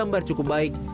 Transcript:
gambar cukup baik